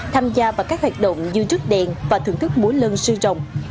tham gia vào các hoạt động như trước đèn và thưởng thức múa lân sư rồng